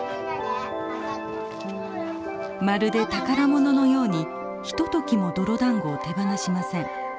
まるで宝物のようにひとときも泥だんごを手放しません。